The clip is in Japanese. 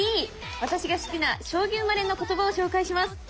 私が好きな将棋生まれの言葉を紹介します。